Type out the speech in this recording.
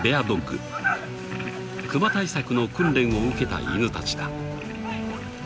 ［クマ対策の訓練を受けたイヌたちだ］